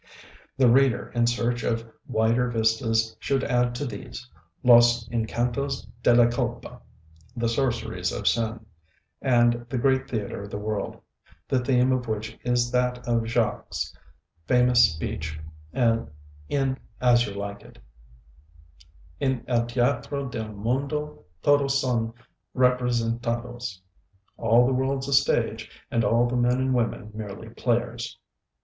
The reader in search of wider vistas should add to these 'Los Encantos de la Culpa' (The Sorceries of Sin), and 'The Great Theatre of the World,' the theme of which is that of Jacques's famous speech in 'As You Like It': "En el teatro del mundo Todos son representados." ("All the world's a stage, And all the men and women merely players.")